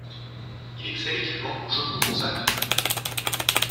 Il excelle également au jeu provençal.